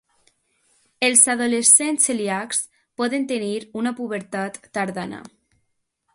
Els adolescents celíacs poden tenir una pubertat tardana.